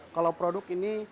kalau produk ini